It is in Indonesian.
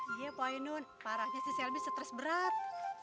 iya pak ainud parahnya si shelby stres berat